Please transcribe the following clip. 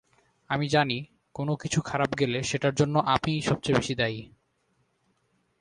আমি জানি কোনো কিছু খারাপ গেলে সেটার জন্য আমিই সবচেয়ে বেশি দায়ী।